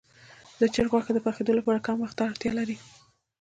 د چرګ غوښه د پخېدو لپاره کم وخت ته اړتیا لري.